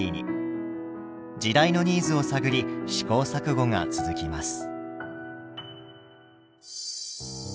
時代のニーズを探り試行錯誤が続きます。